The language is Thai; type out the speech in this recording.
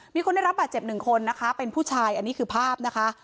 มีคนได้รับบาดเจ็บหนึ่งคนนะคะเป็นผู้ชายอันนี้คือภาพนะคะ